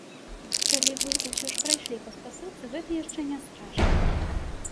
Калі вы ўсё ж прайшлі па спасылцы, гэта яшчэ не страшна.